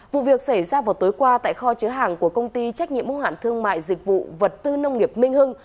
vụ việc xảy ra vào tối qua tại kho chứa hàng của công ty trách nhiệm mô hạn thương mại dịch vụ vật tư nông nghiệp minh hưng